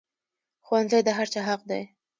ښوونځی د هر چا حق دی